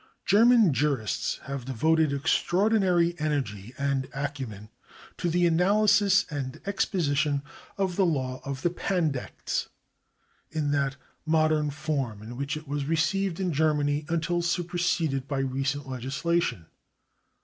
CJerman jurists have devoted extraordinary energy and acumen to the analysis and exposition of the law of the Pandects, in that modern form in which it was received in Germany until superseded by recent legislation.